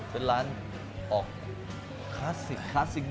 เป็นร้านออกคลาสสิกคลาสสิก